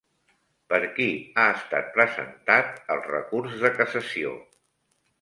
Per qui ha estat presentat el recurs de cassació?